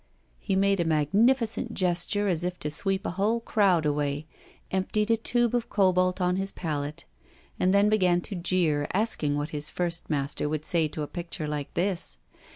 He made a magnificent gesture, as if to sweep a whole crowd away; emptied a tube of cobalt on his palette; and then began to jeer, asking what his first master would say to a picture like this?